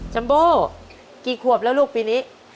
จัมโบกี่ขวบแล้วลูกปีนี้